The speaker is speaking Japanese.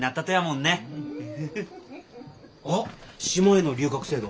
あっ島への留学制度